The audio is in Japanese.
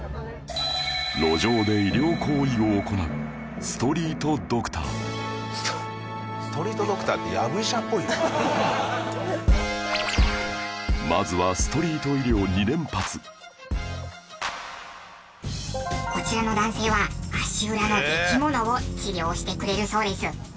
路上で医療行為を行うストストリートドクターってまずはこちらの男性は足裏のできものを治療してくれるそうです。